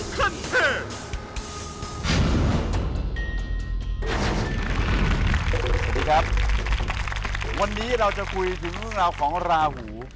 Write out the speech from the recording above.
สวัสดีครับวันนี้เราจะคุยถึงเรื่องราวของราหู